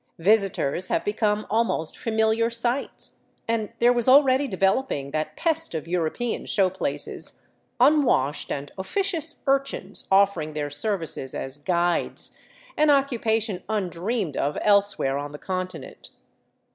Visitors have become almost familiar sights, and there was already developing that pest of European show places, unwashed and officious urchins offering their services as " guides,'* an occupation undreamed of elsewhere on the continent.